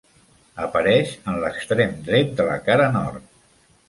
Apareix en l'extrem dret de la cara nord.